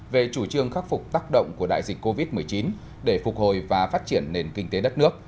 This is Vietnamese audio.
về chủ trương khắc phục tác động của đại dịch covid một mươi chín để phục hồi và phát triển nền kinh tế đất nước